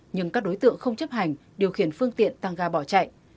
nhưng các đối tượng không chấp hành điều khiển phương tiện tăng ga bỏ chạy